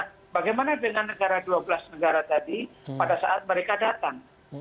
nah bagaimana dengan negara dua belas negara tadi pada saat mereka datang